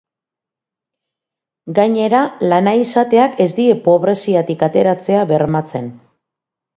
Gainera, lana izateak ez die pobreziatik ateratzea bermatzen.